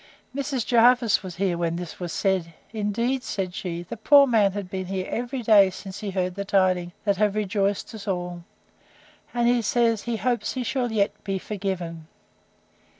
Mrs. Jervis was there when this was said: Indeed, said she, the poor man has been here every day since he heard the tidings, that have rejoiced us all; and he says, he hopes he shall yet be forgiven.